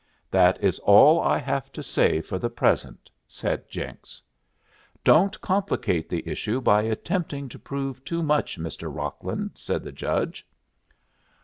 "That is all I have to say for the present," said Jenks. "Don't complicate the issue by attempting to prove too much, Mr. Rocklin," said the judge.